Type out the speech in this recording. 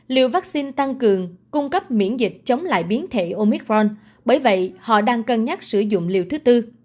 liều vaccine tăng cường cung cấp miễn dịch chống lại biến thể omicron bởi vậy họ đang cân nhắc sử dụng liều thứ tư